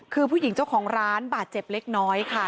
คือผู้หญิงเจ้าของร้านบาดเจ็บเล็กน้อยค่ะ